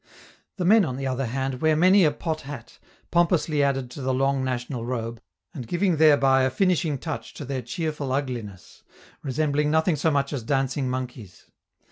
The men, on the other hand, wear many a pot hat, pompously added to the long national robe, and giving thereby a finishing touch to their cheerful ugliness, resembling nothing so much as dancing monkeys.